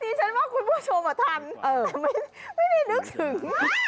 ทีชั้นว่าคุณผู้ชมอะทันไม่ได้นึกถึง